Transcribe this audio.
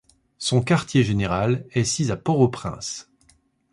Son quartier général est sis à Port-au-Prince.